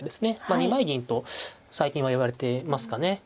二枚銀と最近は言われてますかね。